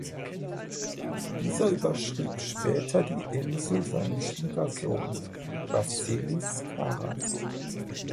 Dieser überschrieb später die Insel seinem Schwiegersohn Vassilis Karras.